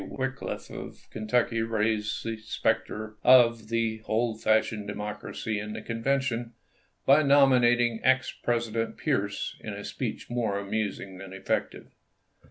Wickliffe of Kentucky raised the specter of the old fashioned Democracy, in the Convention, by nominating ex President Pierce in a speech more amusing than Aug 3i,i864. effective.